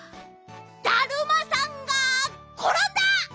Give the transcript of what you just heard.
だるまさんがころんだ！